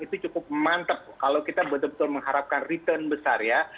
itu cukup mantep kalau kita betul betul mengharapkan return besar ya